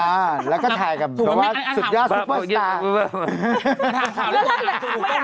อ่าแล้วก็ถ่ายแบบว่าสุดยอดซุปเปอร์สตาร์